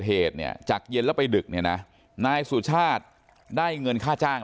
เหตุเนี่ยจากเย็นแล้วไปดึกเนี่ยนะนายสุชาติได้เงินค่าจ้าง